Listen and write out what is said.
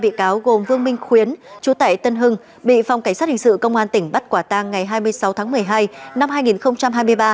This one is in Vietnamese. một bị cáo gồm vương minh khuyến chú tại tân hưng bị phòng cảnh sát hình sự công an tỉnh bắt quả tang ngày hai mươi sáu tháng một mươi hai năm hai nghìn hai mươi ba